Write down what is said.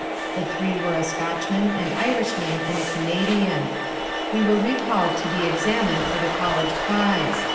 The three were a Scotchman, an Irishman and a Canadian. We were recalled to be examined for the college prize.